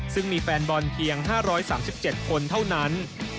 ซึ่งมีแฟนบอลเพียง๕๓๗คนเท่านั้น